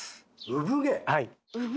産毛！